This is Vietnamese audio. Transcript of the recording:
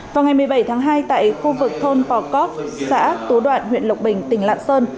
vào ngày một mươi bảy tháng hai tại khu vực thôn pò cót xã tú đoạn huyện lộc bình tỉnh lạng sơn